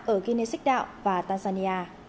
ở guinness x ray